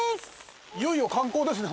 いよいよ観光ですね